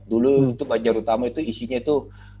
dulu itu banjar utama itu isinya itu